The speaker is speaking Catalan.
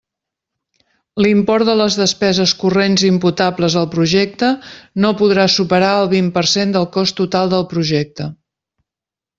L'import de les despeses corrents imputables al projecte no podrà superar el vint per cent del cost total del projecte.